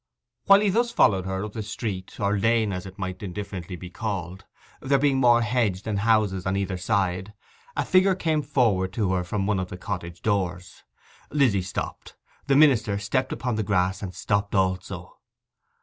While he thus followed her up the street or lane, as it might indifferently be called, there being more hedge than houses on either side, a figure came forward to her from one of the cottage doors. Lizzy stopped; the minister stepped upon the grass and stopped also.